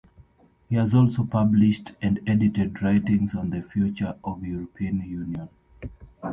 He has also published and edited writings on the future of European Union.